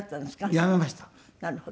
やめました。